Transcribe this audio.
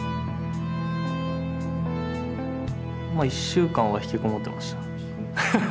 １週間は引きこもってました。